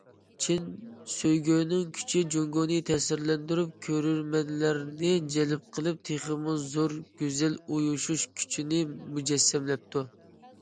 چىن سۆيگۈنىڭ كۈچى جۇڭگونى تەسىرلەندۈرۈپ، كۆرۈرمەنلەرنى جەلپ قىلىپ، تېخىمۇ زور گۈزەل ئۇيۇشۇش كۈچىنى مۇجەسسەملەپتۇ.